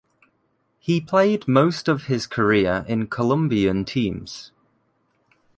He played most of his career in Colombian teams.